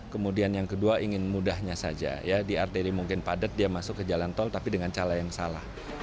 kemudian yang kedua ingin mudahnya saja ya di arteri mungkin padat dia masuk ke jalan tol tapi dengan cara yang salah